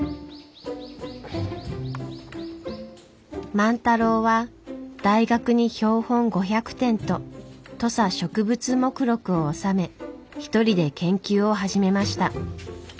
万太郎は大学に標本５００点と土佐植物目録を納め一人で研究を始めました。